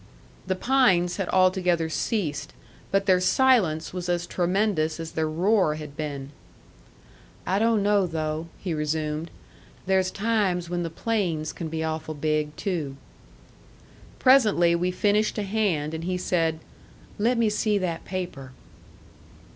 The pines had altogether ceased; but their silence was as tremendous as their roar had been. "I don't know, though," he resumed. "There's times when the plains can be awful big, too." Presently we finished a hand, and he said, "Let me see that paper."